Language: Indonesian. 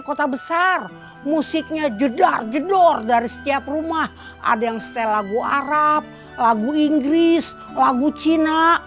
kota besar musiknya jedar jedor dari setiap rumah ada yang style lagu arab lagu inggris lagu cina